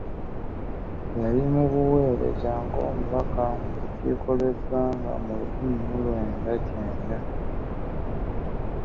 Yali mu buweereza ng'omubaka mu lukiiko lw'eggwanga mu lukimi mu lwenda kyenda.